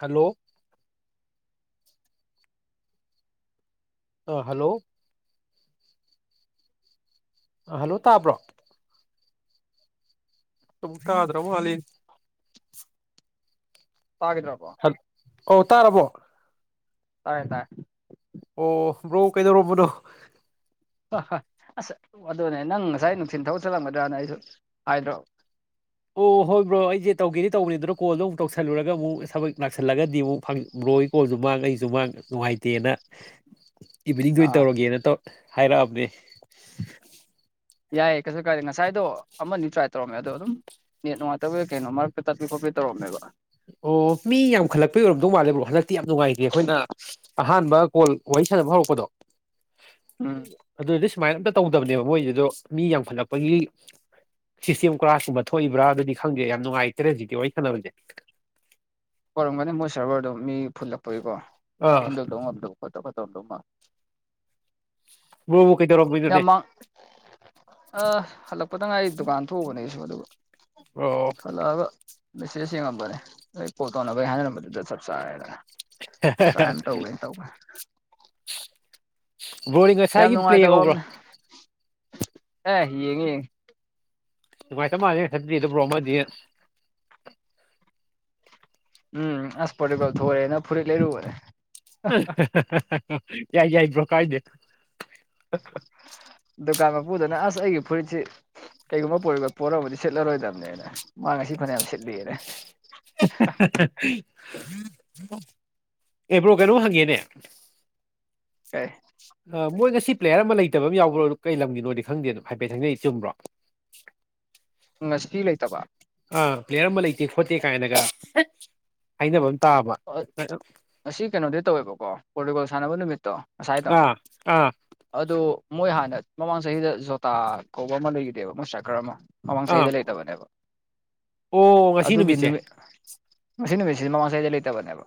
hello ꯑ hello hello ꯇꯥꯕ꯭ꯔꯣ ꯇꯗ꯭ꯔ ꯃꯥꯜꯂ‌ꯦ ꯇꯥꯒꯤꯗ꯭ꯔꯕ‌ꯣ ꯑꯧ ꯇꯥ꯭ꯔꯕꯣ ꯇꯥꯏ ꯇꯥꯏ ꯑꯣ ꯕ꯭ꯔꯣ ꯀꯩꯗꯧꯔꯝꯕꯅꯣ ꯑꯁ ꯑꯗꯨꯅꯦ ꯅꯪ ꯉꯁꯥꯏ ꯅꯨꯡꯊꯤ ꯊꯕꯛ ꯆꯠꯂꯝꯒꯗ꯭ꯔꯅ ꯑꯩꯁꯨ ꯍꯥꯏꯗ꯭ꯔꯕ ꯑꯣ ꯍꯣꯏ ꯕ꯭ꯔꯣ ꯑꯩꯁꯦ ꯇꯧꯒꯦꯗꯤ ꯇꯧꯕꯅꯤ ꯑꯗꯨꯅ ꯀꯣꯜꯗꯨ ꯑꯃꯨꯛ ꯇꯧꯁꯜꯂꯨꯔꯒ ꯑꯃꯨꯛ ꯊꯕꯛ ꯅꯥꯛꯁꯜꯂꯒꯗꯤ ꯑꯃꯨꯛ ꯐꯥꯡ ꯕ꯭ꯔ‌ꯣꯏ ꯀꯣꯜꯁꯨ ꯃꯥꯡ ꯑꯩꯁꯨ ꯃꯥꯡ ꯅꯨꯡꯉꯥꯏꯇꯦꯅ ꯏꯚꯤꯅꯤꯡ ꯑ‌ꯣꯏꯟ ꯑꯥ ꯇꯧꯔꯒꯦꯅ ꯍꯥꯏꯔꯛꯑꯕꯅꯦ ꯌꯥꯏꯌꯦ ꯀꯩꯁꯨ ꯀꯥꯏꯗꯦ ꯉꯁꯥꯏꯗꯣ ꯑꯃꯅꯤ ꯇ꯭ꯔꯥꯏ ꯇꯧꯔꯝꯃꯦ ꯑꯗꯣ ꯑꯗꯨꯝ ꯅꯦꯠ ꯅꯨꯡꯥꯏꯇꯕꯗ ꯀꯩꯅꯣ ꯃꯔꯛꯇ ꯇꯠꯄꯤ ꯈꯣꯠꯄꯤ ꯇꯧꯔꯝꯃꯦꯕ ꯑꯣ ꯃꯤ ꯌꯥꯝꯈꯠꯂꯛꯄꯩ ꯑꯣꯏꯔꯝꯗꯧ ꯃꯥꯜꯂꯦ ꯕ꯭ꯔꯣ ꯍꯟꯗꯛꯇꯤ ꯌꯥꯝ ꯅꯨꯡꯉꯥꯏꯇꯦ ꯑꯩꯈꯣꯏꯅ ꯑꯍꯥꯟꯕ ꯀꯣꯜ ꯋꯥꯔꯤ ꯁꯥꯟꯅꯕ ꯍꯧꯔꯛꯄꯗꯣ ꯎꯝ ꯑꯗꯨꯗꯤ ꯁꯨꯃꯥꯏꯅ ꯑꯝꯇ ꯇꯧ ꯗꯕꯅꯦꯕ ꯃꯣꯏꯁꯤꯗꯣ ꯃꯤ ꯌꯥꯝꯈꯠꯂꯛꯄꯒꯤ ꯁꯤꯁꯇꯦꯝ ꯀꯔꯥ ꯁꯨꯝꯕ ꯊꯣꯛꯏꯕ꯭ꯔꯥ ꯑꯗꯨꯗꯤ ꯈꯪꯗꯦ ꯌꯥꯝ ꯅꯨꯡꯉꯥꯏꯇꯔꯦ ꯍꯧꯖꯤꯛꯇꯀꯤ ꯋꯥꯔꯤ ꯁꯥꯟꯅꯕꯁꯦ ꯑꯣꯏꯣꯏꯔꯝꯒꯅꯤ ꯃꯣꯏ ꯁꯔꯚꯔꯗꯣ ꯃꯤ ꯐꯨꯜꯂꯛꯄꯒꯤꯀꯣ ꯑꯥ ꯍꯦꯟꯗꯜ ꯇꯧ ꯉꯝꯗ ꯈꯣꯠꯇ ꯈꯣꯠꯇ ꯇꯧꯈꯠꯂꯛꯄ ꯀꯩꯗꯧꯔꯃꯤꯅ‌ꯣꯅ‌ꯦ ꯑ ꯍꯜꯂꯛꯄꯗꯪ ꯉꯥꯏ ꯗꯨꯀꯥꯟ ꯊꯣꯛꯎꯕꯅꯦ ꯑꯩꯁꯨ ꯑꯗꯨꯒ ꯕ꯭ꯔꯣ ꯍꯜꯂꯛꯑꯒ ꯃꯦꯁꯦꯖ ꯌꯦꯡꯉꯝꯕꯅꯦ ꯑꯩ ꯀ‌ꯣꯜ ꯇꯧꯅꯕꯒꯤ ꯍꯥꯏꯅꯔꯝꯕꯗꯨꯗ ꯆꯞ ꯆꯥꯔꯦꯗꯅ ꯇꯥꯏꯝ ꯇꯧꯒ ꯇꯧꯒ ꯕ꯭ꯔꯣꯗꯤ ꯌꯥꯝ ꯉꯁꯥꯏꯒꯤ ꯄ꯭ꯂꯦ ꯅꯨꯡꯉꯥꯏꯇꯕ ꯌꯦꯡꯍꯧꯕ꯭ꯔꯣ ꯑꯅ ꯑꯦ ꯌꯦꯡꯉꯦ ꯌꯦꯡꯉ ꯅꯨꯡꯉꯥꯏꯇ ꯃꯥꯜꯂ‌ꯦ [unintelligible] ꯎꯝ ꯑꯁ ꯄ꯭ꯔ‌ꯣꯇꯨꯒꯜ ꯊ‌ꯣꯏꯔꯦꯅ ꯐꯨꯔꯤꯠ ꯂꯩꯔꯕꯅꯤ ꯌꯥ ꯌꯥꯏ ꯕ꯭ꯔ‌ꯣ ꯀꯥꯏꯗꯦ ꯗꯨꯀꯥꯟ ꯃꯄꯨꯨꯗꯅ ꯑꯁ ꯑꯩꯒꯤ ꯐꯨꯔꯤꯠꯁꯤ ꯀꯩꯒꯨꯝꯕ ꯄꯣꯔꯇꯨꯒꯜ ꯄꯣꯔꯝꯃꯗꯤ ꯁꯤꯠꯂꯔꯣꯏꯗꯕꯅꯦꯅ ꯃꯥ ꯉꯁꯤ ꯐꯅꯌꯥꯝ ꯁꯤꯠꯂꯤꯌꯦꯅ [inaudible] ꯑꯦꯕ꯭ꯔꯣ ꯀꯩꯅꯣ ꯍꯪꯒꯦꯅꯦ ꯑꯦ ꯃꯣꯏ ꯉꯁꯤ ꯄ꯭ꯂꯦꯌꯔ ꯑꯃ ꯂꯩꯇꯕ ꯑꯃ ꯌꯥꯎꯕ꯭ꯔꯣ ꯑꯗꯨ ꯀꯩ ꯂꯝꯒꯤꯅꯣꯗꯤ ꯈꯪꯗꯦ ꯑꯗꯨꯣ ꯍꯥꯏꯐꯦꯠ ꯈꯪꯅꯩ ꯆꯨꯝꯕ꯭ꯔꯣ ꯉꯁꯄꯤꯤ ꯂꯩꯇꯕ ꯑ ꯄ꯭ꯂꯦꯌꯔ ꯑꯃ ꯂꯩꯇꯦ ꯈꯣꯠꯇꯦ ꯀꯥꯏꯅꯒ ꯍꯥꯏꯅꯕ ꯇꯥꯕ ꯑꯁꯤ ꯀꯩꯅꯣꯗꯤ ꯇꯧꯋꯦꯕꯀꯣ ꯄꯣꯔꯇꯨꯒꯣꯜ ꯁꯥꯟꯅꯕ ꯅꯨꯃꯤꯠꯇꯣ ꯉꯁꯥꯏꯗꯣ ꯑꯥ ꯑꯥ ꯑꯗꯣ ꯃꯣꯏ ꯍꯥꯟꯅ ꯃꯃꯥꯡ ꯆꯍꯤꯗ ꯖꯣꯇꯥ ꯀꯧꯕ ꯑꯃ ꯂꯩꯈꯤꯗꯦꯕ ꯃꯁꯛ ꯈꯔ ꯑꯃ ꯃꯃꯥꯡ ꯑꯥ ꯆꯍꯤꯗ ꯂꯩꯇꯕꯅꯦꯕ ꯑꯣ ꯉꯁꯤ ꯑꯗꯨꯒꯤ ꯅꯨꯃꯤꯠꯁꯦ ꯅꯨꯃꯤꯠ ꯉ ꯅꯨꯃꯤꯠ ꯁꯤꯗ ꯃꯃꯥꯡ ꯁꯩꯗ ꯂꯩꯇꯕꯅꯦꯕ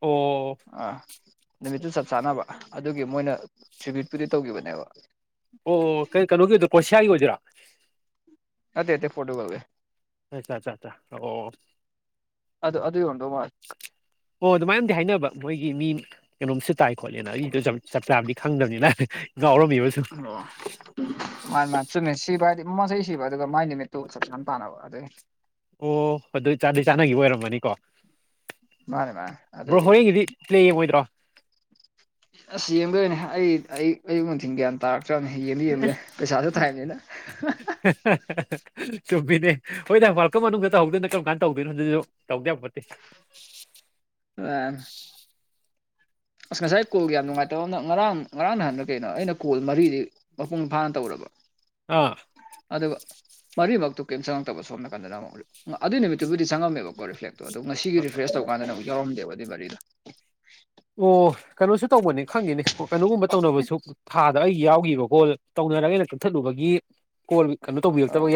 ꯑꯣ ꯑꯥ ꯅꯨꯃꯤꯠꯇꯨ ꯆꯞ ꯆꯥꯅꯕ ꯑꯗꯨꯒꯤ ꯃꯣꯏꯅ ꯇ꯭ꯔꯤꯕꯨꯠꯄꯨꯗꯤ ꯇꯧꯈꯤꯕꯅꯦꯕ ꯑꯣ ꯀꯩ ꯀꯩꯅꯣꯒꯤ ꯑꯣꯏꯗꯣꯏꯔꯥ ꯀꯣꯁꯤꯌꯥꯒꯤ ꯑꯣꯏꯗꯣꯏꯔꯥ ꯑꯇꯩꯦꯠꯇ ꯐꯣꯇꯣꯒꯒꯔꯦ ꯑꯆꯥ ꯑꯠꯆꯥ ꯑꯆꯥ ꯑꯣ ꯑꯗꯨ ꯑꯗꯨ ꯌꯣꯟꯗꯧ ꯃꯥꯜꯂꯦ ꯑꯣ ꯑꯗꯨꯃꯥꯏꯅꯗꯤ ꯍꯥꯏꯅꯕ ꯃꯣꯏꯒꯤ ꯃꯤ ꯀꯩꯅꯣꯝ ꯁꯤ ꯇꯥꯏ ꯈꯣꯠꯂꯤꯦꯅ ꯑꯩꯗ ꯆꯞ ꯆꯥꯕꯗꯤ ꯈꯪꯗꯕꯅꯤꯅ ꯉꯥꯎꯔꯝꯃꯤꯕ ꯁꯨꯝ ꯑꯣ ꯃꯥꯥꯏ ꯃꯁꯨꯅꯦꯁꯤ ꯁꯤꯕ ꯍꯥꯏꯗꯤ ꯃꯃ ꯆꯍꯤ ꯁꯤꯕ ꯑꯗꯨꯒ ꯃꯥꯏ ꯅꯨꯃꯤꯠꯇꯨ ꯆꯞ ꯆꯥꯅ ꯄꯥꯟꯅꯕ ꯑꯗꯨꯩ ꯑꯣ ꯑꯗꯨ ꯆꯥꯗꯩ ꯆꯥꯅꯈꯤꯕ ꯑꯣꯏꯔꯝꯕꯅꯤꯀꯣ ꯃꯥꯅꯦ ꯃꯥꯅꯦ ꯕ꯭ꯔꯣ ꯑꯗꯨꯒꯤ ꯍꯣꯔꯦꯟꯒꯤꯗꯤ ꯆꯌꯦꯕꯣꯏꯗ꯭ꯔꯣ ꯑꯁ ꯌꯦꯡꯗꯣꯏꯅꯦ ꯑꯩ ꯑꯩ ꯑꯌꯨꯛ ꯅꯨꯡꯊꯤꯟ ꯒ꯭ꯌꯥꯟ ꯇꯥꯔꯦ ꯆ ꯌꯦꯡꯗꯤ ꯌꯦꯡꯗ ꯄꯩꯁꯥꯁꯨ ꯊꯥꯏꯕꯅꯤꯅ ꯆꯨꯝꯃꯤꯅꯦ ꯍꯣꯏ ꯅ ꯋꯥꯔꯀꯝ ꯃꯅꯨꯡꯗ ꯇꯍꯧꯗꯣꯏꯅ ꯀꯔꯝ ꯀꯥꯟꯅ ꯇꯧꯗꯣꯏꯅꯣ ꯍꯧꯖꯤꯛꯁꯨ ꯇꯧꯗꯦ ꯌꯥꯝ ꯐꯣꯠꯇꯦ ꯑ ꯑꯁ ꯉꯁꯥꯏ ꯀꯣꯜꯒ ꯌꯥꯝ ꯅꯨꯡꯉꯥꯏꯇꯕ ꯑꯃꯅ ꯉꯔꯥꯡ ꯉꯔꯥꯡ ꯅꯍꯥꯟꯗ ꯀꯩꯅꯣ ꯑꯩꯅ ꯀꯣꯜ ꯃꯔꯤꯗꯤ ꯃꯄꯨꯡ ꯐꯥꯅ ꯇꯧꯔꯕ ꯑꯥ ꯑꯗꯨꯒ ꯃꯔꯤꯃꯛꯇꯨ ꯀꯔꯤꯝ ꯆꯪꯉꯛꯇꯕ ꯁꯣꯝ ꯅꯥꯀꯟꯗ ꯑꯃꯛ ꯑꯗꯨꯏ ꯅꯨꯃꯤꯠꯇꯨꯕꯨꯗꯤ ꯆꯪꯉꯝꯃꯦꯕꯣ ꯑꯣ ꯔꯤꯐ꯭ꯂꯦꯛꯇꯣ ꯑꯣ ꯉꯁꯤꯒꯤ ꯔꯤꯐ꯭ꯔꯦꯁ ꯇꯧꯀꯥꯟꯗꯅ ꯑꯃꯨꯛ ꯌꯥꯎꯔꯝꯗꯦꯕ ꯑꯗꯨꯗꯤ ꯒꯥꯔꯤꯗꯣ ꯑꯣ ꯀꯩꯅꯣꯁꯨ ꯇꯧꯕꯅꯤ ꯈꯪꯉꯦꯅꯤ ꯀꯩꯅꯣꯒꯨꯝꯕ ꯇꯧꯅꯕꯁꯨ ꯊꯥꯗ ꯑꯩ ꯌꯥꯎꯈꯤꯕ ꯀꯣꯜ ꯇꯧꯅꯔꯒ ꯑꯩꯅ ꯀꯛꯊꯠꯂꯨꯕꯒꯤ ꯀꯣꯜ ꯀꯩꯅꯣ ꯇꯧꯕꯤꯔꯛꯇꯕ ꯑꯥ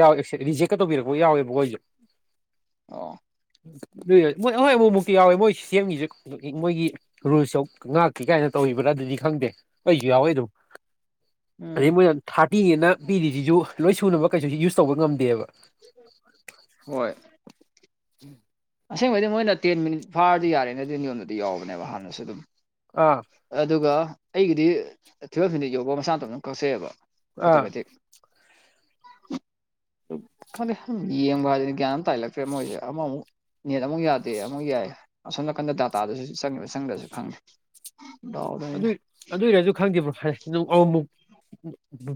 ꯔꯤꯖꯦꯛꯀ ꯇꯧꯕꯤꯔꯛꯄ ꯌꯥꯎꯋꯦꯕꯣꯏꯁꯨꯦ ꯑꯣ ꯑꯗꯨ ꯃꯣꯏ ꯑꯩꯣꯏ ꯑꯃꯨꯛꯃꯨꯛꯇꯤ ꯌꯥꯎꯋꯦ ꯃꯣꯏ ꯁꯦꯝꯒꯤꯁꯦ ꯃꯣꯏꯒꯤ ꯔꯨꯜꯁꯨ ꯉꯥꯛꯀꯤ ꯀꯥꯏꯅ ꯇꯧꯕ꯭ꯔꯥ ꯑꯗꯨꯗꯤ ꯈꯪꯗꯦ ꯑꯩꯩꯁꯨ ꯌꯥꯎꯋꯤ ꯑꯗꯨꯝ ꯎꯝ ꯑꯗꯩ ꯃꯣꯏꯅ ꯊꯥꯔꯇꯤꯅꯦꯅ ꯄꯤꯔꯤꯁꯤꯁꯨ ꯂꯣꯏ ꯁꯨꯅꯕ ꯀꯩꯁꯨꯁꯤ ꯌꯨꯁ ꯇꯧꯕ ꯉꯝꯗꯦꯕ ꯍꯣꯏ ꯎꯝ ꯑꯁꯦꯡꯕꯗꯤ ꯃꯣꯏꯅ ꯇꯦꯟ ꯃꯤꯅꯤꯠ ꯐꯥꯔꯗꯤ ꯌꯥꯔꯦꯅꯗꯤ ꯅꯤꯌꯣꯝꯗꯗꯤ ꯌꯥꯎꯕꯅꯦꯕ ꯍꯥꯟꯅꯁꯨ ꯑꯗꯨꯝ ꯑꯥ ꯑꯗꯨꯒ ꯑꯩꯒꯤꯗꯤ ꯇꯨꯋꯦꯜꯐ ꯐꯗ ꯌꯧꯕ ꯃꯁꯥꯅꯇ ꯑꯗꯨꯝ ꯀꯛꯆꯩꯑꯕ ꯑꯣ ꯑꯥ ꯀꯗꯤ ꯈꯪꯗ ꯌꯦꯡꯕ ꯍꯥꯏꯗꯗꯤ ꯒ꯭ꯌꯥꯟ ꯑꯃ ꯇꯥꯏꯍꯜꯂꯛꯇ꯭ꯔꯦ ꯃꯣꯏꯁꯦ ꯑꯃꯃꯨꯛ ꯅꯦꯠ ꯑꯃꯨꯛ ꯌꯥꯗꯦ ꯑꯃꯨꯛ ꯌꯥꯏ ꯑꯁꯣꯝ ꯅꯥꯀꯟꯗ ꯗꯥꯇꯥꯗꯨꯁꯨ ꯆꯪꯉꯤꯕ ꯆꯪꯗ꯭ꯔꯁꯨ ꯈꯪꯉꯦ ꯑꯗꯨ ꯑꯗꯨ ꯑꯣꯏꯔꯁꯨ ꯈꯪꯗꯦꯕ꯭ꯔꯣ ꯍꯥꯏꯨ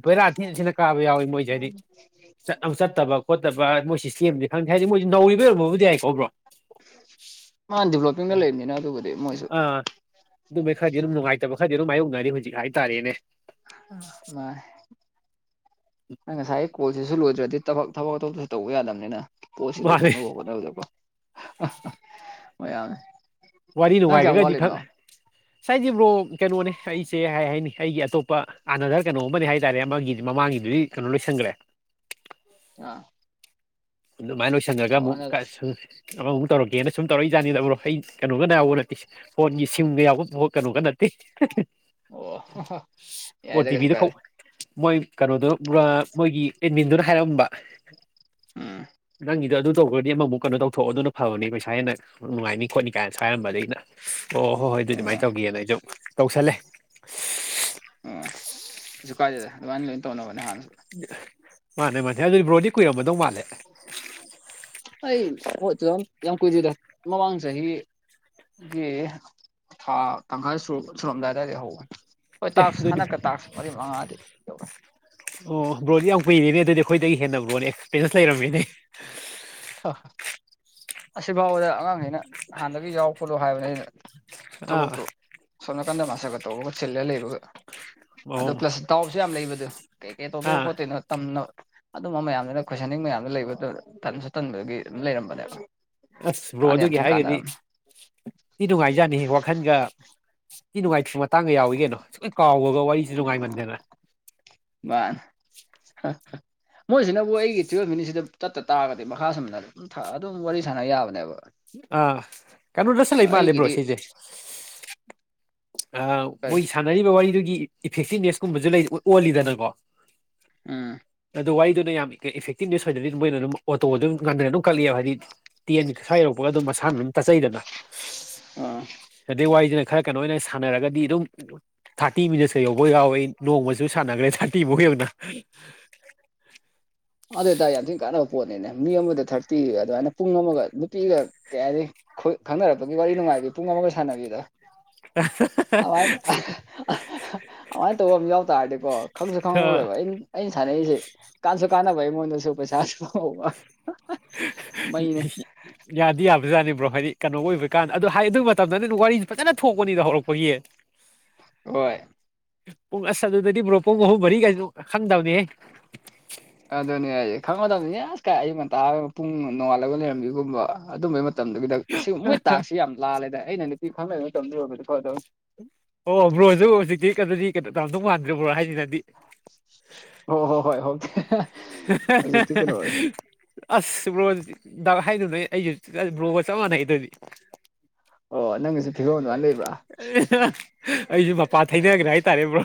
ꯕꯦꯔꯥꯊꯤꯟꯁꯤꯅ ꯀꯥꯕ ꯌꯥꯎꯋꯤ ꯃꯣꯏꯁꯦ ꯍꯥꯏꯗꯤ ꯆꯠꯇꯕ ꯈꯣꯠꯇꯕ ꯃꯣꯏ ꯁꯤꯁꯇꯦꯝꯗꯤ ꯈꯪꯗꯦ ꯍꯥꯏꯁꯦ ꯃꯣꯏꯁꯤ ꯅꯧꯔꯤꯕ ꯑꯣꯏꯔꯝꯃꯕꯨꯗꯤ ꯌꯥꯏꯀꯣꯕ꯭ꯔꯣ ꯃꯥ ꯗꯤꯚꯂꯣꯞꯄꯤꯡꯒ ꯂꯩꯕꯅꯤꯅ ꯑꯗꯨꯕꯨꯗꯤ ꯃꯣꯏꯁꯨ ꯑꯗꯨꯃꯩ ꯈꯔꯗꯤ ꯑꯗꯨꯝ ꯅꯨꯡꯉꯥꯏꯇꯕ ꯈꯔꯗꯤ ꯑꯗꯨꯝ ꯃꯥꯥꯏꯌꯣꯛꯅꯔꯤ ꯍꯧꯖꯤꯛ ꯍꯥꯏꯇꯥꯔꯦꯅꯦ ꯑ ꯏ ꯅ ꯉꯁꯥꯏ ꯀꯣꯜꯁꯤꯁꯨ ꯂꯣꯏꯗ꯭ꯔꯗꯤ ꯊꯕꯛ ꯊꯕꯛ ꯑꯇꯣꯞꯁꯨ ꯇꯧꯕ ꯌꯥꯗꯕꯅꯤꯅ ꯄꯣ ꯁꯤꯂ ꯃꯥꯅꯦ ꯊꯅꯕꯅꯗꯀ ꯃꯌꯥꯝ ꯋꯥꯔꯤ ꯅꯨꯡꯉꯥꯏꯈꯒꯗꯤ ꯈꯔ ꯁꯥꯏꯁꯤꯕ꯭ꯔꯣ ꯀꯩꯅꯣꯅꯦ ꯑꯩꯁꯦ ꯍꯥꯏ ꯍꯥꯏꯅꯤ ꯑꯩꯒꯤ ꯑꯇꯣꯞꯄ ꯑꯥꯅꯙꯔ ꯀꯩꯅꯣ ꯑꯃꯅꯦ ꯍꯥꯏꯇꯥꯔꯦ ꯑꯃꯒꯤꯗꯤ ꯃꯃꯥꯡꯒꯤꯗꯨꯗꯤ ꯀꯩꯅꯣ ꯂꯣꯏꯁꯟꯈ꯭ꯔꯦ ꯑ ꯑꯗꯨꯃꯥꯏꯅ ꯂꯣꯏꯁꯤꯟ꯭ꯔꯒ ꯑꯃꯨꯛ ꯑꯃꯃꯨꯛ ꯇꯧꯔꯛꯒꯦꯅ ꯁꯨꯝ ꯇꯧꯔꯛ ꯏ ꯥꯅꯤꯗꯕꯨ꯭ꯔꯣ ꯑꯩ ꯀꯩꯅꯣꯒꯅ ꯌꯥꯎꯕ ꯅꯠꯇꯦ ꯐꯣꯟꯒꯤ ꯁꯤꯡꯒ ꯌꯥꯎꯕ ꯀꯩꯅꯣꯒ ꯅꯠꯇꯦ ꯑꯣ ꯌꯥꯏꯗ ꯀꯩꯁꯨ ꯍꯗꯤꯕꯤꯗ ꯀꯥꯏꯗꯦ ꯀꯧꯕꯥꯎ ꯃꯣꯏ ꯀꯩꯅꯣꯗꯨꯣ ꯃꯣꯏꯒꯤ ꯑꯦꯟꯃꯤꯟꯗꯨꯅ ꯍꯥꯏꯔꯝꯕ ꯎꯝ ꯅꯪꯒꯤꯗꯣ ꯑꯗꯨ ꯇꯧꯈ꯭ꯔꯗꯤ ꯑꯃꯃꯨꯛ ꯀꯩꯅꯣ ꯇꯧꯊꯣꯛꯑꯣ ꯑꯗꯨꯅ ꯐꯕꯅꯤ ꯄꯩꯁꯥ ꯍꯦꯟꯅ ꯅꯨꯡꯉꯥꯏꯅꯤ ꯈꯣꯠꯅꯤ ꯀꯥꯏꯅꯁꯨ ꯍꯥꯏꯔꯝꯕꯗ ꯑꯩꯅ ꯑꯣ ꯍꯣꯏ ꯍꯣꯏ ꯑꯗꯨꯏ ꯑꯗꯨꯃꯥꯏꯅ ꯑꯣ ꯇꯧꯒꯦꯅ ꯑꯩꯁꯨ ꯇꯧꯁꯜꯂꯦ ꯑꯣ ꯀꯩꯁꯨ ꯀꯥꯏꯗꯦꯗ ꯑꯗꯨꯃꯥꯏꯅ ꯂꯣꯏ ꯇꯧꯅꯕꯅꯦ ꯍꯥꯟꯅꯁꯨ ꯃꯥꯅꯦ ꯃꯥꯅꯦ ꯑꯗꯨꯗꯤ ꯕꯣꯗꯤ ꯀꯏꯔꯝꯕꯗꯧ ꯃꯥꯅꯦ ꯑꯩ ꯌꯥꯝ ꯀꯨꯏꯗꯗ ꯃ ꯋꯥꯥꯡꯁ ꯍ ꯒꯤ ꯊꯥ ꯇꯪꯈꯥꯏ ꯁ ꯁꯨꯔꯝꯗꯥꯏꯇꯥꯗꯤ ꯍꯧꯧꯕꯅꯤ ꯍꯣꯏ ꯑꯦ ꯇꯥꯛꯁ ꯑꯗꯨꯗꯤ ꯍꯟꯗꯛꯀ ꯇꯥꯛꯁ ꯃꯔꯤ ꯃꯉꯥꯗꯤꯤ ꯌꯧꯋꯦ ꯑꯣ ꯕ꯭ꯔꯣꯣꯟꯗꯤ ꯌꯥꯝ ꯀꯨꯏꯔꯤꯅꯦ ꯑꯗꯨꯗꯤ ꯑꯩꯈꯣꯏꯗꯒꯤ ꯍꯦꯟꯅ ꯕ꯭ꯔꯣꯜꯅꯦ ꯑꯦꯛꯁꯄꯤꯔꯤꯌꯦꯟꯁ ꯂꯩꯔꯝꯃꯤꯅꯦ ꯑ ꯑꯁꯤꯐꯥꯎꯕꯗ ꯑꯉꯥꯡꯁꯤꯩꯅ ꯍꯥꯟꯅꯗꯒꯤ ꯌꯥꯎ ꯈꯣꯂꯣ ꯍꯥꯏꯕꯅꯦ ꯑꯩꯅ ꯑꯥ ꯊꯕꯛꯇꯨ ꯁꯣꯝ ꯅꯥꯀꯟꯗ ꯃꯥꯁꯒ ꯇꯧꯕꯒ ꯆꯤꯜꯂꯒ ꯂꯩꯕꯒ ꯑꯗꯣ ꯑꯣ ꯄ꯭ꯂꯁ ꯇꯥꯎꯁꯨ ꯌꯥꯝ ꯂꯩꯕꯗꯨ ꯀꯩ ꯀꯦ ꯇꯧꯗꯣꯏꯅꯣ ꯑꯥ ꯈꯣꯠꯇꯣꯏꯅꯣ ꯇꯝ ꯑꯗꯨꯝꯕ ꯃꯌꯥꯝꯗꯨꯅ ꯀꯣꯏꯁꯟꯅꯤꯡ ꯃꯌꯥꯝꯗ ꯂꯩꯕ ꯇꯪꯗꯨꯒꯤ ꯑꯗꯨꯝ ꯂꯩꯔꯝꯕꯅꯦꯕ ꯑꯁ ꯕ꯭ꯔꯣ ꯀꯥꯟꯗ ꯌꯥꯝ ꯑꯗꯨꯒꯤ ꯊꯤꯅ ꯍꯥꯏꯔꯒꯗꯤ ꯀꯥꯟꯅꯔꯝꯃꯦ ꯏ ꯅꯨꯡꯉꯥꯏꯖꯅꯤ ꯋꯥꯈꯟꯒ ꯅꯨꯡ ꯇꯥꯡꯒ ꯌꯥꯎꯏ ꯀꯩꯅꯣ ꯁꯨꯛꯩ ꯀꯥꯎꯕꯒ ꯋꯥꯔꯤꯁꯨ ꯅꯨꯡꯉꯥꯏꯃꯟꯗꯦꯅ ꯃꯥꯅꯦ ꯃꯣꯏꯁꯤꯅꯕꯨ ꯑꯩꯒꯤ ꯇꯨꯋꯜꯞ ꯃꯤꯅꯤꯠꯁꯤꯗ ꯇꯠꯇ ꯇꯥꯔꯒꯗꯤ ꯃꯈꯥꯁꯨꯅ ꯑꯗꯨꯝ ꯑꯗꯨꯝ ꯋꯥꯔꯤ ꯁꯥꯟꯅ ꯌꯥꯕꯅꯦꯕ ꯑꯥ ꯀꯩꯅꯣꯗꯁꯨ ꯂꯩ ꯃꯥꯜꯂꯦꯕ꯭ꯔꯣ ꯑꯩꯒꯤꯗꯤ ꯁꯤꯁꯦ ꯑ ꯀꯔꯤ ꯃꯣꯏ ꯁꯥꯟꯅꯔꯤꯕ ꯋꯥꯔꯤꯗꯨꯒꯤ ꯏꯐꯦꯛꯇꯤꯞꯅꯦꯁꯀꯨꯝꯕꯁꯨ ꯑꯣꯜꯂꯤꯗꯅꯀꯣ ꯑꯝ ꯑꯗꯣ ꯋꯥꯔꯤꯗꯨꯅ ꯌꯥꯝ ꯏꯐꯦꯛꯇꯤꯚ ꯅ꯭ꯌꯁ ꯑꯣꯏꯔꯗꯤ ꯃꯣꯏꯅ ꯑꯗꯨꯝ ꯑꯣꯇꯣ ꯑꯗꯨꯝ ꯉꯟꯗꯅ ꯑꯗꯨꯝ ꯀꯛꯂꯤꯑꯦꯕ ꯍꯥꯏꯗꯤ ꯇꯦꯟ ꯁ꯭ꯋꯥꯏ ꯌꯧꯔꯣꯛꯄꯒ ꯑꯗꯨꯝ ꯃꯁꯥꯅ ꯑꯗꯨꯝ ꯇꯠꯆꯩꯗꯅ ꯑꯥ ꯑꯗꯩ ꯋꯥꯔꯤꯗꯅ ꯈꯔ ꯀꯩꯅꯣ ꯑꯣꯏꯅ ꯁꯥꯟꯅꯔꯒꯗꯤ ꯑꯗꯨꯝ ꯊꯥꯔꯇꯤ ꯃꯤꯅꯠꯁꯀ ꯌꯧꯕ ꯌꯥꯎꯋꯦ ꯅꯣꯡꯃꯁꯨ ꯁꯥꯟꯅꯈ꯭ꯔꯦ ꯊꯥꯔꯇꯤꯃꯨꯛ ꯌꯧꯅ [inaudible] [unintelligible] ꯑꯗꯨ ꯑꯣꯏꯇꯥꯔ ꯌꯥꯝ ꯊꯤꯅ ꯀꯥꯟꯅꯕ ꯄꯣꯠꯅꯤꯅꯦ ꯃꯤ ꯑꯃꯗ ꯊꯥꯔꯇꯤꯒ ꯑꯗꯨꯃꯥꯏꯅ ꯄꯨꯡ ꯑꯃꯒ ꯅꯨꯄꯤꯒ ꯀꯌꯥ ꯍꯥꯏꯗꯤ ꯈꯪꯅꯔꯛꯄꯒꯤ ꯋꯥꯔꯤ ꯅꯨꯡꯉꯥꯏꯕꯤ ꯄꯨꯡ ꯑꯃꯒ ꯁꯥꯟꯅꯕꯤꯦꯗ [inaudible] [unintelligible] ꯑꯗꯨꯃꯥꯏꯅ ꯇꯧꯕ ꯑꯃ ꯌꯥꯎ ꯇꯥꯔꯗꯤꯀꯣ ꯈꯪꯁꯨ ꯑ, ꯈꯪꯍꯧꯔꯦꯕ ꯑꯩꯅ ꯑꯩꯅ ꯁꯥꯟꯅꯔꯤꯁꯦ ꯀꯅ ꯥꯏ ꯃꯣꯏꯅ ꯁ ꯄꯩ ꯌꯥꯗꯤ ꯌꯥꯕꯖꯥꯅꯤꯕ꯭ꯔꯣ ꯍꯥꯏꯗꯤ ꯀꯩꯅꯣ ꯑꯣꯏꯕ ꯀꯥꯟꯗ ꯑꯗꯨꯗ ꯍꯥꯏ ꯑꯗꯨ ꯇ ꯃꯇꯝꯗꯅ ꯋꯥꯔꯤꯁꯤ ꯐꯖꯅ ꯊꯣꯛꯄꯅꯤꯗ ꯍꯧꯔꯛꯄꯒꯤꯌꯦ ꯍꯣꯏ ꯄꯨꯡ ꯑꯁ ꯑꯗꯨꯗꯗꯤ ꯃ꯭ꯔꯣ ꯄꯨꯡ ꯑꯍꯨꯝ ꯃꯔꯤꯒꯥꯏꯁꯨ ꯈꯪꯗꯕꯅꯦꯍꯦ ꯑꯗꯨꯅꯦ ꯑꯩ ꯈꯪꯕꯗꯕꯅꯤꯅꯦ ꯑꯁ ꯀꯥꯏ ꯑꯩ ꯉꯟꯇꯥ ꯄꯨꯡ ꯅꯣꯡꯉꯥꯜꯂꯒ ꯂꯩꯔꯝꯕꯤꯒꯨꯝꯕ ꯑꯗꯨꯝꯕꯒꯤ ꯃꯇꯝꯗꯨꯒꯤꯗ ꯁꯤ ꯃꯣꯏ ꯇꯥꯛꯁꯤ ꯌꯥꯝ ꯂꯥꯜꯂꯦꯗ ꯑꯩꯅ ꯅꯨꯄꯤ ꯈꯔꯃꯩ ꯃꯇꯝꯗꯨ ꯑꯣꯏꯕꯗꯀꯣ ꯑꯗꯨꯝ ꯑꯣ ꯕ꯭ꯔꯣꯖꯁꯨ ꯍꯧꯖꯤꯛꯇꯤꯩꯅꯗꯤ ꯇꯝꯗꯧ ꯃꯥꯟꯗ꯭ꯔꯦꯕ꯭ꯔꯣ ꯍꯥꯏꯦ ꯑꯣ ꯍꯣ ꯍꯣꯏ ꯍꯀꯦ [unintelligible] [inaudible] ꯑꯁ ꯕ꯭ꯔꯣ ꯗ ꯍꯥꯏꯗꯨꯅ ꯑꯩꯁꯨ ꯕ꯭ꯔꯣꯒ ꯆꯞ ꯃꯥꯟꯅꯩ ꯑꯗꯨꯗꯤ [unintelligible] [inaudible] ꯐꯤꯕꯝ ꯑꯗꯨꯃꯥꯏꯅ ꯂꯩꯕ꯭ꯔꯥ ꯑꯩꯁꯨ ꯃꯄꯥ ꯊꯩꯅꯈ꯭ꯔꯦ ꯍꯥꯏꯇꯥꯔꯦꯕ꯭ꯔꯣ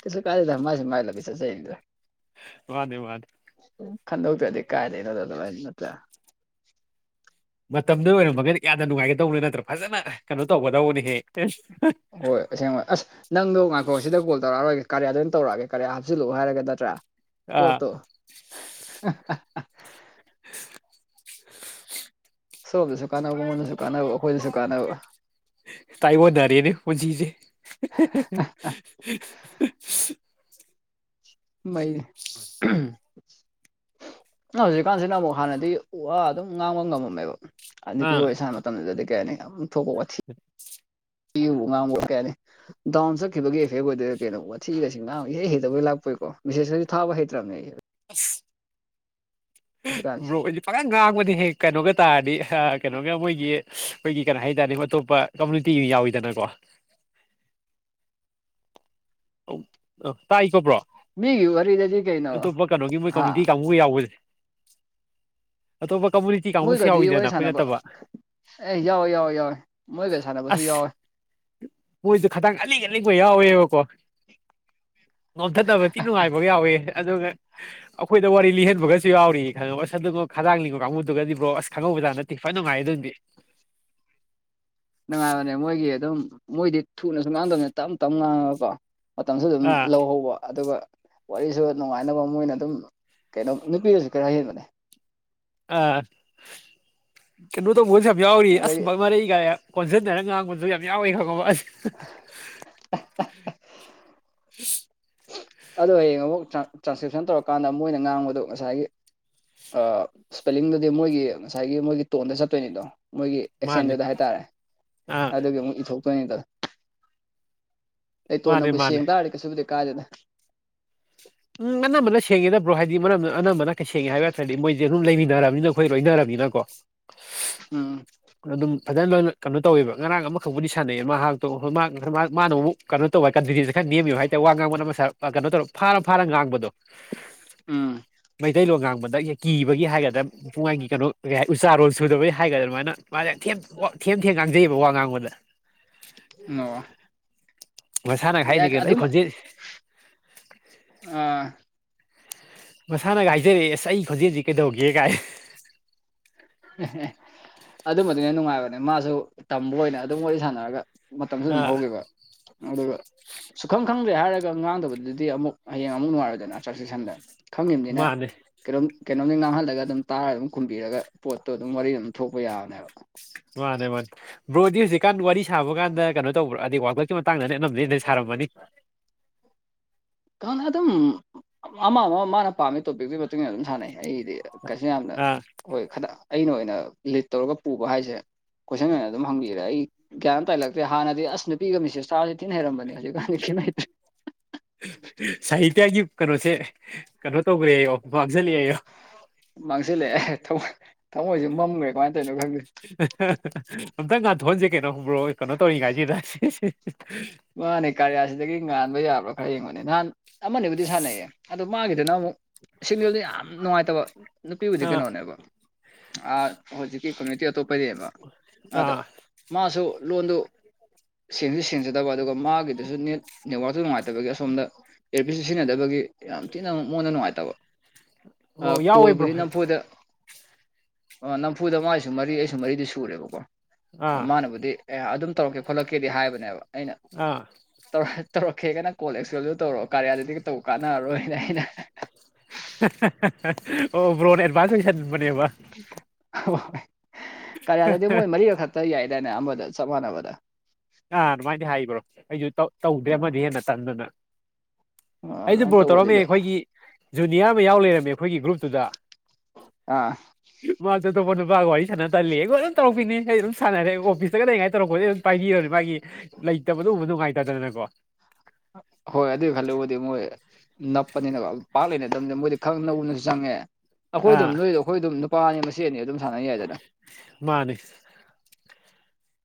ꯀꯦꯏꯁꯨ ꯀꯥꯏꯗꯦ ꯃꯁꯨ ꯃꯒꯤ ꯂꯝꯕꯤ ꯆꯇꯆꯔꯤꯅꯦꯗ ꯋꯥꯗ ꯋꯥꯗ ꯈꯟꯗꯧꯗ꯭ꯔꯗꯤ ꯀꯥꯏꯗꯩꯅꯣꯗꯅ ꯍꯥꯏ ꯅꯠꯇ꯭ꯔ ꯃꯇꯝꯗꯨ ꯑꯣꯏꯔꯝꯃꯒꯩꯗꯤ ꯌꯥꯝꯅ ꯅꯨꯡꯉꯥꯏꯒꯗꯧꯕꯅꯤ ꯅꯠꯇ꯭ꯔ ꯐꯖꯅ ꯀꯩꯅꯣ ꯇꯧꯒꯗꯧꯕꯅꯤꯍꯦꯛ ꯍꯣꯏ ꯑꯁꯦꯡꯕ ꯑꯁ ꯅꯪꯗꯣ ꯉꯥꯏꯐꯣꯛ ꯁꯤꯗ ꯀꯣꯜ ꯇꯧꯔꯛꯑꯔꯣꯏꯒꯦ ꯀꯌꯥꯗꯅ ꯇꯧꯔꯛꯑꯒꯦ ꯀꯌꯥ ꯍꯥꯞꯆꯜꯂꯎ ꯍꯥꯏꯔꯒ ꯅꯠꯇ꯭ꯔꯥ ꯑꯥ ꯄꯣꯠꯇꯣ ꯁꯣꯝꯗꯁꯨ ꯀꯥꯟꯅꯕ ꯃꯉꯣꯟꯗꯁꯨ ꯀꯥꯟꯅꯕ ꯑꯩꯈꯣꯏꯗꯁꯨ ꯀꯥꯟꯅꯕ [inaudible] ꯇꯥꯏ ꯋꯥ ꯗꯔꯤꯅꯤ ꯍꯧꯖꯤꯁꯦ ꯃꯩ ꯍꯧꯖꯤꯛꯀꯥꯟꯁꯤꯅ ꯑꯃꯨꯛ ꯍꯥꯟꯅꯗꯤ ꯎ ꯋꯥ ꯑꯗꯨꯝ ꯉꯥꯡꯕ ꯉꯝꯃꯝꯃꯦꯕ ꯅꯨꯄꯤ ꯑꯣꯏ ꯁꯥꯅ ꯃꯇꯝꯗꯨꯗꯗꯤ ꯀꯩꯅꯤ ꯎ [inaudible] ꯄꯤꯕꯨ ꯉꯥꯡꯕ ꯑꯣꯏ ꯀꯌꯥꯅꯤ ꯗꯥꯎꯟ ꯆꯠꯈꯤꯕꯒꯤ ꯑꯦꯐꯦꯛ ꯑꯣꯏꯗꯣꯏꯔ ꯀꯩꯅꯣꯊꯤꯔꯁꯤ ꯉꯥꯡꯕ ꯍꯩꯇꯕꯩ ꯂꯥꯛꯄ ꯎꯣꯏꯀꯣ ꯕꯤꯁꯦꯁꯁꯨ ꯊꯥꯕ ꯍꯩ꯭ꯔꯕꯅꯦ ꯑꯩ ꯑꯁ ꯍꯧꯖꯤꯛꯀꯥꯟꯁꯦ ꯕ꯭ꯔꯣ ꯑꯩꯗꯤ ꯐꯒꯪ ꯉꯥꯡꯕꯗꯤ ꯍꯦꯛ ꯀꯩꯅꯣꯒ ꯇꯥꯔꯗꯤ ꯀꯩꯅꯣꯒ ꯃꯣꯏꯒꯤ ꯑꯩꯈꯣꯏꯒꯤ ꯀꯩꯅꯣ ꯍꯥꯏꯇꯥꯔꯦ ꯑꯇꯣꯞꯄ ꯀꯝꯃꯨꯅꯤꯇꯤ ꯌꯥꯎꯋꯤꯗꯅꯀꯣ ꯑ [inaudible] ꯇꯥꯏꯀꯣ ꯕ꯭ꯔꯣ ꯃꯤꯒꯤ ꯋꯥꯔꯤꯗꯗꯤ ꯀꯩꯅꯣ ꯑꯇꯣꯞꯄ ꯀꯩꯅꯣꯒꯤ ꯃꯣꯏ ꯍꯥ ꯀꯃꯨꯅꯤꯇꯤ ꯀꯥꯡꯕꯨ ꯌꯥꯎꯕꯁꯦ ꯑꯇꯣꯞꯄ ꯀꯝꯃꯨꯅꯤꯇꯤ ꯀꯥꯡꯕꯨꯁꯨ ꯃꯣꯏꯒꯗꯤ ꯋꯥꯔꯤ ꯌꯥꯎꯋꯤꯗꯅ ꯑꯩꯈꯣꯏ ꯁꯥꯟꯅꯕ ꯅꯠꯇꯕ ꯑꯦ ꯌꯥꯎ ꯌꯥꯎꯋ ꯌꯥꯎꯋꯦ ꯃꯣꯏ ꯀꯩꯁꯥꯟꯅꯅꯕꯁꯨ ꯑꯁ ꯌꯥꯎꯋꯦ ꯃꯣꯏꯁꯨ ꯈꯈꯤꯇꯥꯡ ꯑꯅꯤꯡ ꯑꯅꯤꯡꯕ ꯌꯥꯎꯋꯦꯕꯀꯣ [inaudible] ꯅꯣꯝꯊꯕꯗꯤ ꯅꯨꯡꯉꯥꯏꯕꯒ ꯌꯥꯎꯋꯦ ꯑꯗꯨꯒ ꯑꯩꯈꯣꯏꯗ ꯋꯥꯔꯤ ꯂꯤꯍꯟꯕꯒꯁꯨ ꯌꯥꯎꯔꯤ ꯈꯪ ꯑꯗꯨꯉꯣ ꯈꯥꯗꯥꯡꯅꯤꯡꯉꯣ ꯀꯥꯡꯕꯨꯗꯨꯒꯗꯤ ꯕ꯭ꯔꯣ ꯑꯁ ꯈꯪꯉꯧꯕꯖꯥꯠ ꯅꯠꯇꯦ ꯐꯋꯥꯏ ꯅꯨꯡꯉꯥꯏꯌꯦ ꯑꯗꯨꯝꯗꯤ [inaudible] ꯅꯨꯡꯉꯥꯏꯕꯅꯦ ꯃꯣꯏꯒꯤ ꯑꯗꯨꯝ ꯃꯣꯏꯗꯤ ꯊꯨꯅꯁꯨ ꯉꯥꯡꯗꯕꯅꯤ ꯇꯞ ꯇꯞ ꯉꯥꯡꯉꯕꯀꯣ ꯃꯇꯝꯁꯨ ꯑꯗꯨꯝ ꯑꯥ ꯂꯧꯍꯧꯕ ꯑꯗꯨꯒ ꯋꯥꯔꯤꯁꯨ ꯅꯨꯡꯉꯥꯏꯅꯕ ꯃꯣꯏꯅ ꯑꯗꯨꯝ ꯀꯩꯅꯣ ꯅꯨꯄꯤꯗꯁꯨ ꯈꯔ ꯍꯩꯖꯤꯦꯟꯕꯅꯦ ꯑ ꯀꯩꯅꯣ ꯇ ꯃꯣꯁ ꯌꯥꯎꯔꯤ ꯑꯁ ꯑꯗꯒꯤ ꯃꯔ ꯀ ꯀꯣꯟꯁꯤꯟꯟꯅꯔ ꯉꯥꯡꯕꯁꯨ ꯌꯥꯝ ꯌꯥꯎꯋꯤ ꯈꯪꯉꯕ [inaudible] ꯑꯗꯣ ꯍꯌꯦꯡ ꯑꯃꯨꯛ ꯇ꯭ꯔꯥꯟꯁꯀ꯭ꯔꯤꯞꯁꯟ ꯇꯧꯔꯀꯥꯟꯗ ꯃꯣꯏꯅ ꯉꯥꯡꯕꯗꯣ ꯉꯁꯥꯏꯒꯤ ꯏꯁ꯭ꯄꯦꯂꯤꯡꯗꯨꯗꯤ ꯃꯣꯏꯒꯤ ꯉꯁꯥꯏꯒꯤ ꯃꯣꯏꯒꯤ ꯇꯣꯟꯗ ꯆꯠꯇꯣꯏꯅꯤꯗꯣ ꯃꯣꯏꯒꯤ ꯃꯥꯅꯤ ꯑꯦꯛꯁꯦꯟꯗꯨꯗ ꯍꯥꯏꯇꯥꯔꯦ ꯑꯥ ꯑꯗꯨꯒꯤ ꯑꯃꯨꯛ ꯏꯊꯣꯛ ꯑꯩ ꯃꯥꯅꯦ ꯇꯣꯟꯅꯕꯨ ꯃꯥꯅꯦ ꯁꯦꯡ ꯇꯥꯔꯔ ꯀꯩꯁꯨꯕꯨꯗꯤ ꯀꯥꯗꯦꯗ ꯎꯝ ꯑꯅꯝꯕꯅ ꯁꯦꯡꯒꯦꯗꯕ꯭ꯔꯣ ꯍꯥꯏꯗꯤ ꯃꯔꯝ ꯑꯅꯝꯕꯅ ꯀꯩ ꯁꯦꯡꯉꯦ ꯍꯥꯏꯕꯇ꯭ꯔꯗꯤ ꯃꯣꯏꯁꯦ ꯑꯗꯨꯝ ꯂꯩꯅꯤ ꯊꯔꯕꯅꯤꯅ ꯑꯩꯈꯣꯏ ꯂꯣꯏꯊꯔꯕꯅꯤꯅꯀꯣ ꯑꯝ ꯐꯖꯅ ꯂꯣꯏꯅ ꯀꯩꯅꯣ ꯇꯧꯋꯦꯕ ꯉꯔꯥꯡ ꯑꯃꯈꯛꯕꯨꯗꯤ ꯁꯥꯟꯅꯩꯌꯦ ꯃꯍꯥꯛꯇꯣꯣꯏ ꯃꯥꯅ ꯑꯃꯨꯛ ꯀꯩꯅꯣ ꯇꯧꯋꯦ ꯀꯟꯐꯤꯗꯦꯟꯁ ꯈꯔ ꯅꯦꯝꯃꯤꯕ ꯍꯥꯏꯇꯥꯔꯦ ꯋꯥ ꯉꯥꯡꯕ ꯑꯃ ꯀꯩꯅ ꯇꯧ ꯐꯥ ꯐꯥꯔ ꯉꯥꯡꯕꯗꯣ ꯎꯝ ꯃꯩꯇꯩꯂꯣꯟ ꯉꯥꯡꯕꯗ ꯀꯤꯕꯒꯤ ꯍꯥꯏꯒꯗ꯭ꯔꯥ ꯄꯨꯡꯉꯒꯤ ꯀꯩꯅꯣ ꯀ ꯎ ꯆꯥꯔꯣꯟꯜ ꯁꯨꯗꯕꯒꯤ ꯍꯥꯏꯒꯗꯥꯃꯥꯏꯅ ꯃꯥꯅꯦ ꯊꯦꯝ ꯊꯦꯝ ꯊꯦꯝ ꯉꯥꯡꯖꯩꯑꯕ ꯋꯥ ꯉꯥꯡꯕꯗ ꯑꯝ ꯃꯁꯥꯅꯒ ꯌꯥ ꯍꯥꯏꯅꯤ ꯀꯩꯅꯣ ꯑꯩ ꯑꯗꯨꯝ ꯑ ꯈꯣꯟꯖꯦꯜ ꯃꯁꯥꯅꯒ ꯍꯥꯏꯖꯔꯛꯑꯦ ꯑꯁ ꯑꯩ ꯈꯣꯟꯖꯦꯜꯁꯤ ꯀꯩꯗꯧꯒꯦ ꯀꯥꯏ ꯑꯗꯨꯃꯗꯨꯅ ꯅꯨꯡꯉꯥꯏꯕꯅꯦ ꯃꯥꯁꯨ ꯇꯝꯕ ꯑꯣꯏꯅ ꯑꯗꯨꯝ ꯋꯥꯔꯤꯗꯤ ꯁꯥꯟꯅꯔꯒ ꯃꯁꯤ ꯑꯥ ꯍꯒꯦꯕ ꯑꯗꯨꯒ ꯁꯨꯈꯪ ꯈꯪꯗ꯭ꯔꯦ ꯍꯥꯏꯔꯒ ꯉꯥꯡꯗꯕꯗꯨꯗꯤ ꯑꯃꯨꯛ ꯍꯌꯦꯡ ꯑꯃꯨꯛ ꯅꯨꯡꯉꯥꯏꯔꯣꯏꯗꯅ ꯆꯥꯛ ꯆꯦꯛꯁꯟꯗꯅ ꯈꯪꯉꯕꯅꯤꯅ ꯃꯥꯅꯦ ꯀꯩꯅꯣꯝ ꯀꯩꯅꯣꯝꯗ ꯉꯥꯡꯍꯜꯂꯒ ꯑꯗꯨꯝ ꯇꯥꯔ ꯑꯗꯨꯝ ꯈꯨꯝꯕꯤꯔꯒ ꯄꯣꯠꯇꯣ ꯑꯗꯨꯝ ꯋꯥꯔꯤ ꯑꯗꯨꯝ ꯊꯣꯛꯄ ꯌꯥꯕꯅꯦꯕ ꯃꯥꯅꯦ ꯃꯥꯅꯦ ꯕ꯭ꯔꯣꯗꯤ ꯍꯧꯖꯤꯛꯀꯥꯟ ꯋꯥꯔꯤ ꯁꯥꯕ ꯀꯥꯟꯗ ꯀꯩꯅꯣ ꯇꯧꯕ꯭ꯔꯥ ꯑꯗꯗꯤ ꯋꯥꯋꯀꯠꯀꯤ ꯃꯇꯥꯡꯗꯅ ꯑꯅꯝꯅꯦꯅ ꯁꯥꯔꯝꯕ ꯃꯅꯤ ꯀꯅ ꯑꯗꯨꯝ ꯑꯃ ꯑꯃ ꯃꯥꯅ ꯄꯥꯝꯃꯤ ꯇꯣꯄꯤꯛꯨꯒꯤ ꯃꯇꯨꯡꯟꯅ ꯑꯗꯨꯝ ꯁꯥꯟꯅꯩ ꯑꯩꯗꯤ ꯀꯩꯁꯨ ꯌꯥꯝꯅ ꯑꯥ ꯍꯣꯏ ꯈꯇ ꯑꯩꯅ ꯑꯣꯏꯅ ꯂꯤꯠ ꯇꯧꯔꯒ ꯄꯨꯕ ꯍꯥꯏꯁꯦ ꯀꯣꯏꯁꯟ ꯑꯣꯏꯅ ꯑꯗꯨꯝ ꯍꯪꯕꯤꯔꯦ ꯑꯩ ꯒ꯭ꯌꯥꯟ ꯇꯥꯏꯂꯛꯇꯦ ꯍꯥꯟꯅꯗꯤ ꯑꯁ ꯅꯨꯄꯤꯒ ꯃꯤꯁꯦ ꯆꯇꯥꯔꯁꯤꯦ ꯇꯤꯟ ꯍꯩꯔꯝꯕꯅꯦ ꯍꯧꯖꯤꯛꯀꯥꯟꯗꯤ ꯍꯥꯏ ꯁꯥꯍꯤꯇ꯭ꯌꯒꯤ ꯀꯩꯅꯣꯁꯦ ꯀꯩꯅꯣ ꯇꯧꯈ꯭ꯔꯦ ꯑꯩꯌꯣ ꯃꯥꯡꯁꯤꯜꯂꯛꯑꯦ ꯑꯩꯌꯣ ꯃꯥꯡꯁꯤꯜꯂꯦ ꯑꯦ ꯊꯃꯣꯏ ꯊꯃꯣꯏꯁꯨꯦ ꯃꯝꯈ꯭ꯔꯦ ꯀꯃꯥꯏꯅ ꯇꯧꯅꯣ ꯈꯪꯗꯦ ꯑꯝꯇꯪ ꯉꯥꯟꯊꯣꯛꯟꯁꯦ ꯀꯩꯅꯣꯨꯝꯕ꯭ꯔꯣ ꯀꯩꯅꯣ ꯇꯧꯔꯤꯉꯥꯏꯁꯤꯦꯗ ꯃꯥꯅꯦ ꯀꯥꯔꯤꯌꯥꯁꯤꯗꯒꯤ ꯉꯥꯟꯕ ꯌꯥꯕ꯭ꯔꯥ ꯈꯔ ꯌꯦꯡꯕꯅꯦ ꯅꯍꯥꯟ ꯑꯃꯅꯤꯕꯨꯗꯤ ꯁꯥꯟꯅꯩꯌꯦ ꯑꯗꯣ ꯃꯥꯒꯤꯗꯨꯅ ꯑꯃꯨꯛ ꯁꯤꯃꯤꯜꯗꯤ ꯌꯥꯝ ꯅꯨꯡꯉꯥꯏꯇꯕ ꯅꯨꯄꯤꯕꯨꯗꯤ ꯑꯥ ꯀꯩꯅꯣꯅꯦꯕ ꯑ ꯍꯧꯖꯤꯛ ꯀꯃꯨꯅꯤꯇꯤ ꯑꯇꯣꯞꯄꯗꯤꯕ ꯑꯗ ꯑꯥ ꯃꯥꯁꯨ ꯂꯣꯟꯗꯨ ꯆꯖꯗꯕ ꯑꯗꯨꯒ ꯃꯥꯒꯤꯗꯨꯁꯨ ꯅꯦꯠ ꯅꯦꯠꯋꯥꯥꯛꯇꯨ ꯅꯨꯡꯉꯥꯏꯇꯕꯒꯤ ꯑꯁꯣꯝꯗ ꯏꯌꯥꯔꯕꯤꯠꯁꯨ ꯁꯤꯖꯤꯟꯅꯗꯕꯒꯤ ꯌꯥꯝ ꯊꯤꯅ ꯃꯣꯟꯗ ꯅꯨꯡꯉꯥꯏꯇꯕ ꯑꯣ ꯌꯥꯎꯋꯦ ꯕ꯭ꯔꯣ ꯀꯣꯜꯕꯨꯗꯤ ꯅꯝꯐꯨꯗ ꯑꯣ ꯅꯝꯐꯨꯗ ꯃꯥꯒꯤꯁꯨ ꯃꯔꯤ ꯑꯩꯁꯨ ꯃꯔꯤꯗꯤ ꯁꯨꯔꯦꯕꯀꯣ ꯑꯥ ꯃꯥꯅꯕꯨꯗꯤ ꯑꯦ ꯑꯗꯨꯝ ꯇꯧꯔꯛꯀꯦ ꯈꯣꯠꯂꯛꯀꯦꯗꯤ ꯍꯥꯏꯕꯅꯦꯕ ꯑꯩꯅ ꯑꯥ ꯇꯧ ꯇꯧꯔꯛꯀꯦꯒꯅ ꯀꯣꯜ ꯑꯦꯛꯁ ꯇꯧꯔꯛꯑꯣ ꯀꯥꯔꯤꯌꯥ ꯑꯗꯨꯗꯤꯒ ꯇꯧ ꯀꯥꯟꯅꯔꯔꯣꯏꯅ ꯑꯩꯅ ꯑꯣ ꯕ꯭ꯔꯣꯟꯣꯟ ꯑꯦꯗꯚꯥꯟꯁ ꯍꯁꯅꯤꯡꯕꯅꯦꯕ ꯍ ꯀꯔꯤꯗꯗꯤ ꯃꯣꯏ ꯃꯔꯤꯒ ꯈꯛꯇ ꯌꯥꯏꯗꯥꯏꯅꯦ ꯑꯃꯗ ꯆꯞ ꯃꯥꯟꯅꯕꯗ ꯑꯥ ꯑꯗꯨꯃꯥꯏꯅ ꯍꯥꯏꯕ꯭ꯔꯣ ꯑꯩꯁꯨ ꯇꯧꯗ꯭ꯔꯦ ꯑ ꯑꯃꯗꯤ ꯍꯦꯟꯅ ꯇꯟꯗꯅ ꯑꯩꯁꯨ ꯑꯗꯨꯃꯥꯏꯅ ꯕꯣꯔꯣ ꯇꯧꯔꯝꯃꯦ ꯇꯧꯕꯗꯨꯗ ꯑꯩꯈꯣꯏꯒꯤ ꯖꯨꯅꯤꯌꯔ ꯑꯃ ꯌꯥꯎ ꯂꯩꯔꯝꯃꯦ ꯑꯩꯈꯣꯏꯒꯤ ꯒ꯭ꯔꯨꯞꯇꯨꯗ ꯑꯥ ꯃꯥ ꯆꯗꯧꯕ ꯋꯥꯔꯤ ꯁꯥꯟꯅ ꯇꯜꯂꯤ ꯑꯩꯈꯣꯏ ꯑꯗꯨꯝ ꯇꯧꯔꯛꯄꯤꯅꯤ ꯑꯩ ꯑꯗꯨꯝ ꯁꯥꯟꯅꯔꯦ ꯑꯣꯐꯤꯁꯇ ꯀꯔꯤꯉꯥꯏ ꯇꯧꯔꯛꯄꯗꯤ ꯑꯗꯨꯝ ꯄꯥꯏꯕꯤꯔꯅꯤ ꯃꯥꯒꯤ ꯂꯩꯇꯕꯅ ꯎꯕ ꯅꯨꯡꯉꯥꯏꯇꯗꯗꯅꯀꯣ ꯍꯣꯏ ꯑꯗꯨ ꯈꯜꯦꯕꯨꯗꯤ ꯃꯣꯏ ꯅꯞꯄꯅꯤꯕ ꯄꯥꯛ ꯂꯩꯅꯗꯕꯅꯤ ꯃꯣꯏꯗꯤ ꯈꯪ ꯅꯅꯁꯨ ꯆꯪꯉꯦ ꯑꯩꯈꯣꯏ ꯑꯥ ꯑꯗꯨꯝ ꯅꯣꯏꯗꯣ ꯑꯩꯈꯣꯏ ꯑꯗꯨꯝ ꯅꯨꯄꯥꯅꯤ ꯃꯆꯦ ꯑꯅꯤ ꯑꯗꯨꯝ ꯁꯥꯟꯅꯩ ꯌꯥꯏꯗꯅ ꯃꯥꯅꯤ